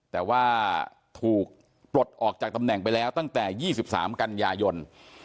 แต่ว่าถูกปลดออกจากตำแหน่งไปแล้วตั้งแต่๒๓กันยายน